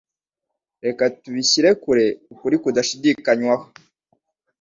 Reka tubishyire kure ukuri kudashidikanywaho